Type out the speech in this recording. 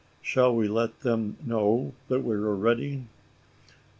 Shall we let them know that we are ready?"